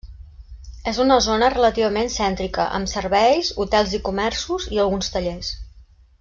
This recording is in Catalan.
És una zona relativament cèntrica amb serveis, hotels i comerços i alguns tallers.